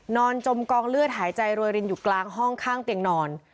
จมกองเลือดหายใจโรยรินอยู่กลางห้องข้างเตียงนอน